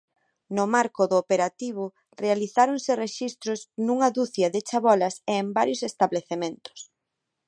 No marco do operativo realizáronse rexistros nunha ducia de chabolas e en varios establecementos.